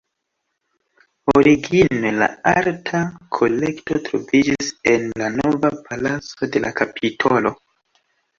Origine la arta kolekto troviĝis en la "Nova Palaco" de la Kapitolo.